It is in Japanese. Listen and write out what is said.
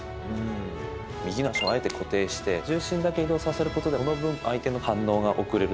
右足をあえて固定して重心だけを移動させることでその分、相手の反応が遅れる。